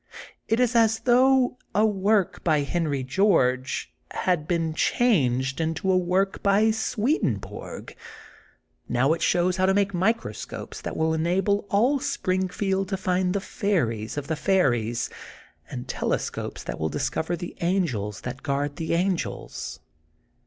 It is as though a work by Henry George had been changed into a work by SwedenborgI Now it shows how to make microscopes that will enable all Springfield to find the fairies of the fairies, and telescopes that will discover the angels that guard the angels.